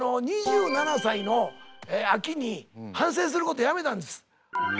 ２７歳の秋に反省することやめたんです。